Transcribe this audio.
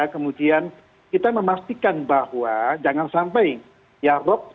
kemudian kita memastikan bahwa jangan sampai ya rop mungkin tinggi